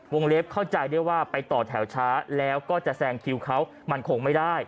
เล็บเข้าใจได้ว่าไปต่อแถวช้าแล้วก็จะแซงคิวเขามันคงไม่ได้